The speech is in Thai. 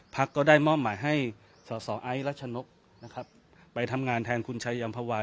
ก็ได้มอบหมายให้สอสอไอ้รัชนกนะครับไปทำงานแทนคุณชายัมภาวะ